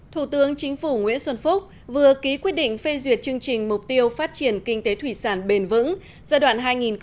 thủ tướng chính phủ nguyễn xuân phúc vừa ký quyết định phê duyệt chương trình mục tiêu phát triển kinh tế thủy sản bền vững giai đoạn hai nghìn một mươi sáu hai nghìn hai mươi